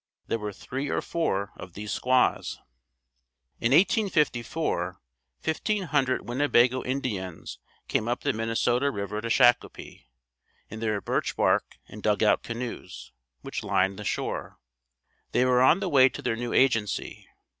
There were three or four of these squaws. In 1854 fifteen hundred Winnebago Indians came up the Minnesota River to Shakopee, in their birch bark and dugout canoes, which lined the shore. They were on the way to their new agency.